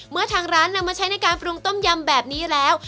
เมื่อทางร้านนำมาใช้ในการปรุงต้มยำแบบนี้แล้ว